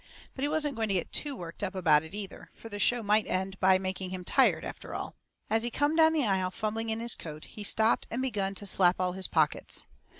But he wasn't going to get TOO worked up about it, either, fur the show might end by making him tired, after all. As he come down the aisle fumbling in his coat, he stopped and begun to slap all his pockets.